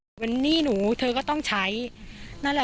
ก็กลายเป็นว่าติดต่อพี่น้องคู่นี้ไม่ได้เลยค่ะ